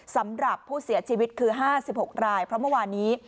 สำหรับผู้เสียชีวิตคือ๕๖รายเพราะเมื่อวานนี้